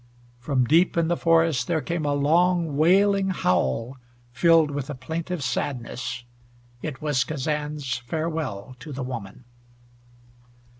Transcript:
From deep in the forest there came a long wailing howl, filled with a plaintive sadness. It was Kazan's farewell to the woman.